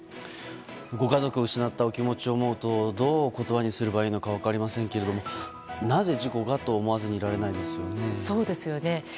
ご家族を失ったお気持ちを思うとどう言葉にすればいいか分かりませんがなぜ事故がと思わずにはいられないですね。